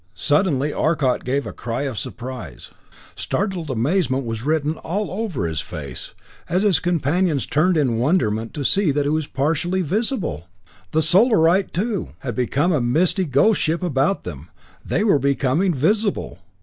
Suddenly Arcot gave a cry of surprise. Startled amazement was written all over his face, as his companions turned in wonderment to see that he was partially visible! The Solarite, too, had become a misty ghost ship about them; they were becoming visible!